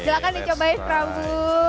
silahkan dicobain prabu